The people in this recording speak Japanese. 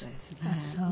ああそう。